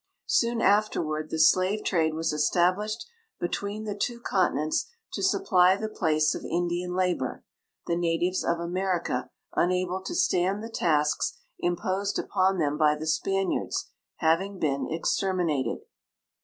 Soon afterward the slave trade was established between the two continents to supply the place of Indian labor, the natives of America, unable to stand the tasks imposed ui>on them liy the Spaniards, having been extermi nated.